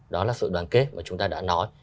đó là sự đoàn kết mà chúng ta đã nói